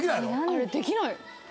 あれできない。